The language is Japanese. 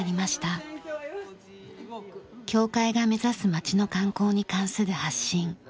協会が目指す町の観光に関する発信。